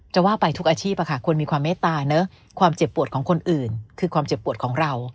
ว่าไปทุกอาชีพควรมีความเมตตาเนอะความเจ็บปวดของคนอื่นคือความเจ็บปวดของเรา